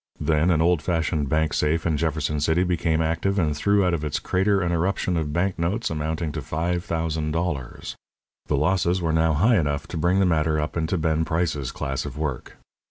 Then an old fashioned bank safe in Jefferson City became active and threw out of its crater an eruption of bank notes amounting to five thousand dollars. The losses were now high enough to bring the matter up into Ben Price's class of work.